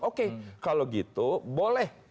oke kalau gitu boleh